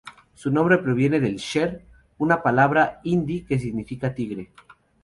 Su nombre proviene de "sher", una palabra hindi que significa tigre.